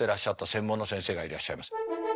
専門の先生がいらっしゃいます。